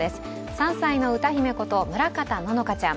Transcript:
３歳の歌姫こと村方乃々佳ちゃん。